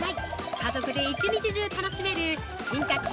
家族で１日中楽しめる進化系！